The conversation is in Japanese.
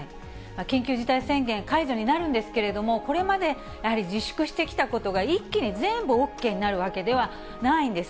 緊急事態宣言、解除になるんですけれども、これまでやはり自粛してきたことが一気に全部ＯＫになるわけではないんです。